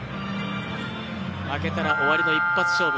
負けたら終わりの一発勝負。